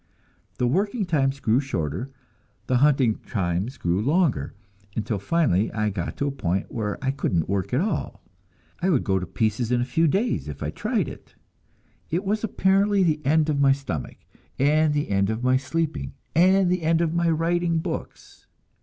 The working times grew shorter, and the hunting times grew longer, until finally I had got to a point where I couldn't work at all; I would go to pieces in a few days if I tried it. It was apparently the end of my stomach, and the end of my sleeping, and the end of my writing books.